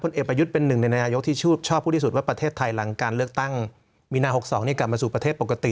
เอกประยุทธ์เป็นหนึ่งในนายกที่ชอบพูดที่สุดว่าประเทศไทยหลังการเลือกตั้งมีนา๖๒กลับมาสู่ประเทศปกติ